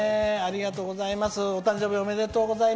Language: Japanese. ありがとうございます。